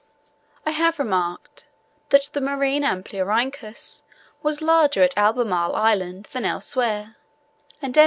I have remarked that the marine Amblyrhynchus was larger at Albemarle Island than elsewhere; and M.